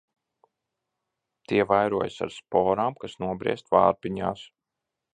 Tie vairojas ar sporām, kas nobriest vārpiņās.